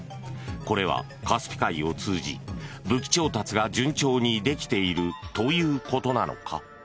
これはカスピ海を通じ武器調達が順調にできているということなのか。